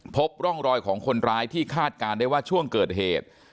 พบร่องรอยของคนร้ายที่คาดการณ์ได้ว่าช่วงเกิดเหตุ